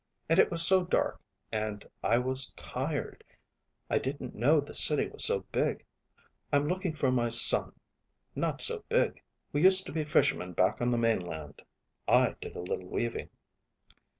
And it was so dark, and I was tired.... I didn't know the City was so big. I'm looking for my son not so big! We used to be fishermen back on the mainland. I did a little weaving."